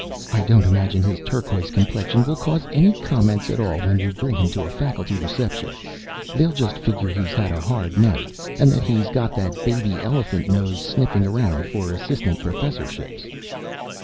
"I don't imagine his turquoise complexion will cause any comment at all when you bring him to a faculty reception. They'll just figure he's had a hard night and that he got that baby elephant nose sniffing around for assistant professorships."